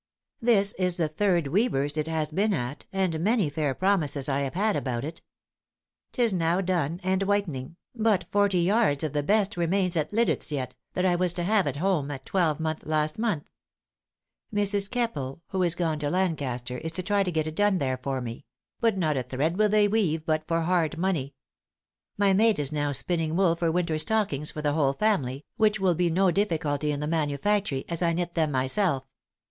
This is the third weaver's it has been at, and many fair promises I have had about it. 'Tis now done and whitening, but forty yards of the best remains at Liditz yet, that I was to have had home a twelvemonth last month. Mrs. Keppele, who is gone to Lancaster, is to try to get it done there for me; but not a thread will they weave but for hard money. My maid is now spinning wool for winter stockings for the whole family, which will be no difficulty in the manufactory, as I knit them myself.